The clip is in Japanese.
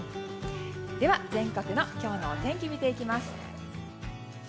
では全国の今日のお天気見ていきます。